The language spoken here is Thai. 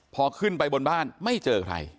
พอขึ้นไปบนบ้านไม่เจอใคร